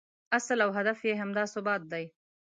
اصل او هدف یې همدا ثبات دی.